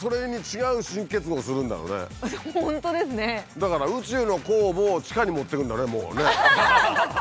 だから宇宙の酵母を地下に持ってくんだねもうね。